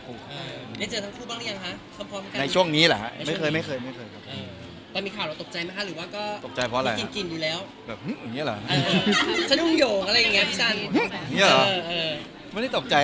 ก็ไม่ต้องใจอะไรครับผมเป็นร้านพิมพ์เรื่องอื่นไม่เจอ